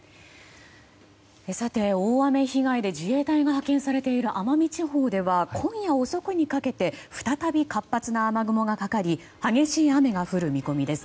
大雨被害で自衛隊が派遣されている奄美地方では今夜遅くにかけて再び活発な雨雲がかかり激しい雨が降る見込みです。